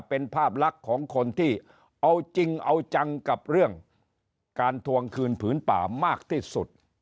เป็นภาพลักษณ์ของคนที่เอาจริงเอาจังกับเรื่องการทวงคืนผืนป่ามากที่สุด